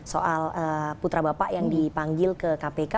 soal putra bapak yang dipanggil ke kpk